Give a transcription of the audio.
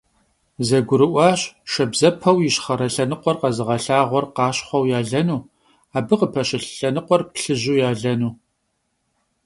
Zegurı'uaş şşabzepeu yişxhere lhenıkhuer khezığelhağuer khaşxhueu yalenu, abı khıpeşılh lhenıkhuer plhıju yalenu.